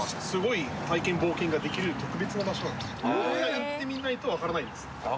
行ってみないと分からないんです。